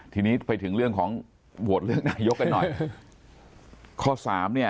ทีนี้ไปถึงเรื่องของโหวดเรื่องนายกกันหน่อย